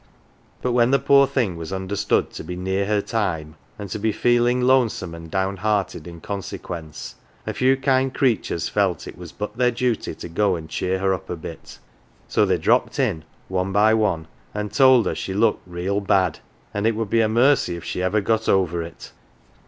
But when the poor thing was understood to be " near her time, 11 and to be feeling lonesome and down hearted in consequence, a few kind creatures felt it was but their duty to go and cheer her up a bit. So they dropped in, one by one, and told her she looked real bad, and it would be a mercy if she ever got over it.